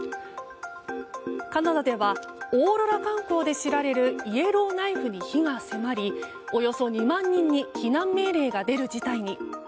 カナダではオーロラ観光で知られるイエローナイフに火が迫り、およそ２万人に避難命令が出る事態に。